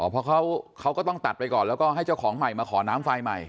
เพราะเขาก็ต้องตัดไปก่อนแล้วก็ให้เจ้าของใหม่มาขอน้ำไฟใหม่